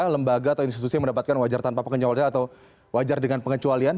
lembaga atau institusi yang mendapatkan wajar tanpa pengecualian atau wajar dengan pengecualian